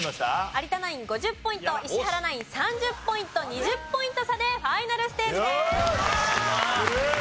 有田ナイン５０ポイント石原ナイン３０ポイント２０ポイント差でファイナルステージです。